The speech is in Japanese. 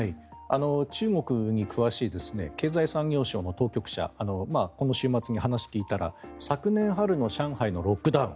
中国に詳しい経済産業省の当局者にこの週末に話を聞いたら昨年末の上海のロックダウン